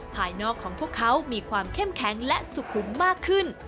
ภายนอกของพวกเขามีความเข้มแข็งและสุขุมมากขึ้น